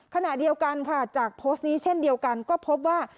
ขณะเดียวกันค่ะจากโพสต์นี้เช่นเดียวกันก็พบว่า